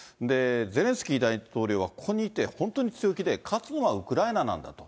ゼレンスキー大統領はここにきて本当に強気で勝つのはウクライナなんだと。